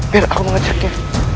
biar aku mengajaknya